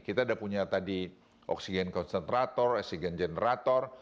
kita sudah punya tadi oksigen konsentrator oksigen generator